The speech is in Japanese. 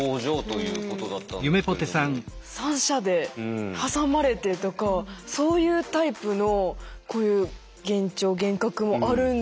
三者で挟まれてとかそういうタイプのこういう幻聴・幻覚もあるんだっていうのがびっくり。